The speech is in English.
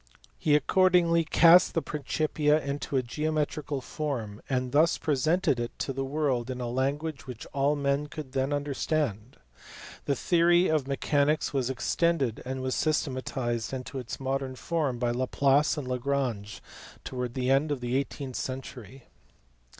He accordingly cast the FEATURES OF MODERN MATHEMATICS. Principia into a geometrical form, and thus presented it to the world in a language which all men could then understand. The theory of mechanics was extended and was systematized into its modern form by Laplace and Lagrange towards the end of the eighteenth century.